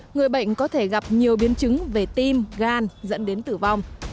người bệnh có thể gặp nhiều biến chứng về tim gan dẫn đến tử vong